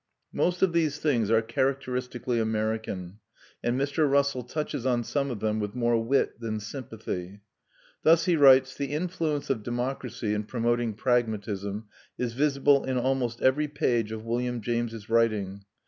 Most of these things are characteristically American; and Mr. Russell touches on some of them with more wit than sympathy. Thus he writes: "The influence of democracy in promoting pragmatism is visible in almost every page of William James's writing.